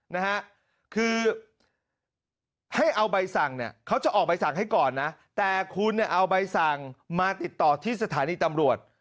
นะฮะคือให้เอาใบสั่งเนี่ยเขาจะออกใบสั่งให้ก่อนนะแต่คุณเนี่ยเอาใบสั่งมาติดต่อที่สถานีตำรวจ